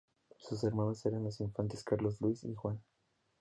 Sus hermanos eran los infantes Carlos Luis y Juan.